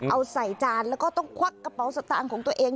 เอาใส่จานแล้วก็ต้องควักกระเป๋าสตางค์ของตัวเอง